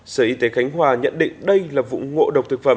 sở y tế khánh hòa nhận định đây là vụ ngộ độc thực phẩm